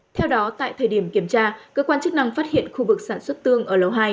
theo đó tại thời điểm kiểm tra cơ quan chức năng phát hiện khu vực sản xuất tương ở lầu hai